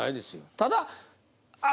ただあっ。